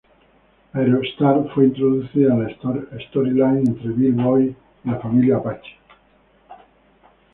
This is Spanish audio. Aero Star fue introducido en la Storyline entre Billy Boy y La familia Apache.